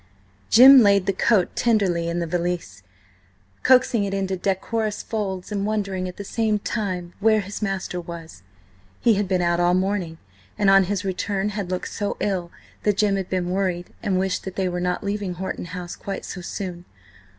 Jim laid the coat tenderly in the valise, coaxing it into decorous folds, and wondering at the same time where his master was. He had been out all the morning, and on his return had looked so ill that Jim had been worried, and wished that they were not leaving Horton House quite so soon.